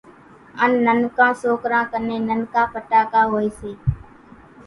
ان ننڪان سوڪران ڪنين ننڪا ڦٽاڪا ھوئي سي